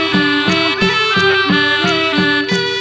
โปรดติดตามต่อไป